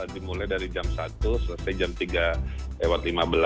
dimulai dari jam satu selesai jam tiga lewat lima belas